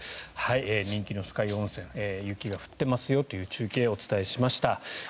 人気の酸ヶ湯温泉雪が降ってますよという中継をお伝えしました。